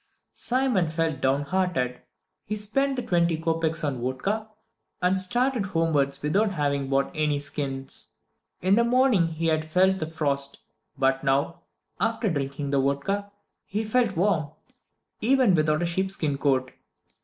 Simon felt downhearted. He spent the twenty kopeks on vodka, and started homewards without having bought any skins. In the morning he had felt the frost; but now, after drinking the vodka, he felt warm, even without a sheep skin coat.